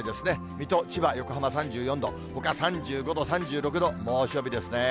水戸、千葉、横浜３４度、ほか３５度、３６度、猛暑日ですね。